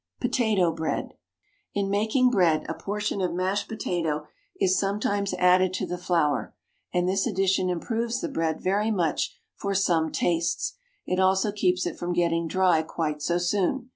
POTATO BREAD. In making bread, a portion of mashed potato is sometimes added to the flour, and this addition improves the bread very much for some tastes; it also keeps it from getting dry quite so soon.